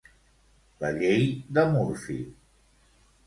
La llei de Murphy.